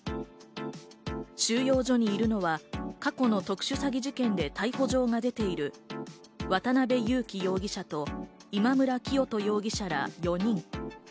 収容所にいるのは過去の特殊詐欺事件で逮捕状が出ている渡辺優樹容疑者と今村磨人容疑者ら４人。